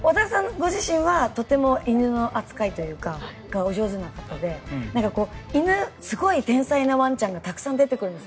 ご自身はとても犬の扱いがお上手な方で犬、すごい天才なワンちゃんがすごいたくさん出てくるんです。